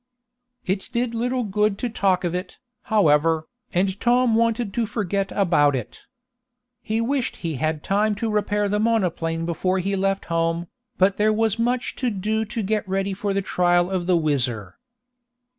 It did little good to talk of it, however, and Tom wanted to forget about it. He wished he had time to repair the monoplane before he left home, but there was much to do to get ready for the trial of the WHIZZER.